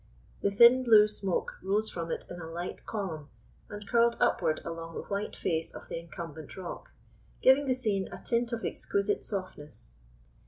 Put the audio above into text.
The thin blue smoke rose from it in a light column, and curled upward along the white face of the incumbent rock, giving the scene a tint of exquisite softness.